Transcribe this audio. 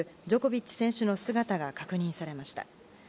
ジョコビッチ選手の姿が確認されました。